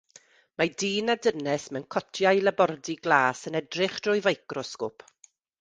Mae dyn a dynes mewn cotiau labordy glas yn edrych drwy ficrosgop.